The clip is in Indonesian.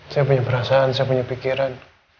saya punya perasaan saya punya pikiran